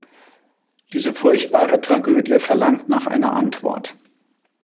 Diese furchtbare Tragödie verlangt nach einer Antwort.